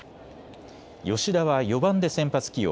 吉田は４番で先発起用。